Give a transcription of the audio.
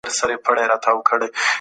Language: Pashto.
منصفانه اوسئ.